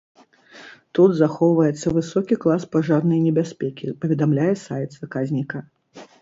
Тут захоўваецца высокі клас пажарнай небяспекі, паведамляе сайт заказніка.